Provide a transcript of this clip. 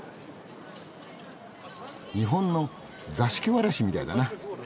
日本の座敷わらしみたいだな。